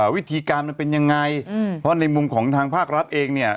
วิธีการมันเป็นยังไงเพราะในมุมของทางภาครัฐเองเนี่ย